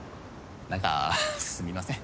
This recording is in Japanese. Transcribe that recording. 何かははっすみません